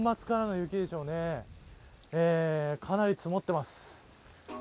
かなり積もってます。